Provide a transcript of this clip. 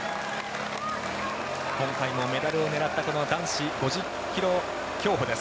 今回もメダルを狙った男子５０ｋｍ競歩です。